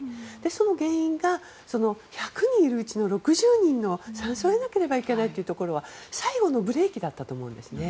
その原因が１００人いるうちの６０人の賛成を得なければいけないというところが最後のブレーキだったと思うんですね。